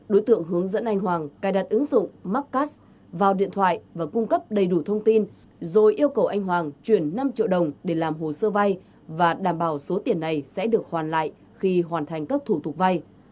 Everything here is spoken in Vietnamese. đối tượng hướng dẫn anh hoàng cài đặt ứng dụng marccast vào điện thoại và cung cấp đầy đủ thông tin rồi yêu cầu anh hoàng chuyển năm triệu đồng để làm hồ sơ vay và đảm bảo số tiền này sẽ được hoàn lại khi hoàn thành các thủ tục vay